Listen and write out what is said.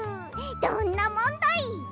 どんなもんだい！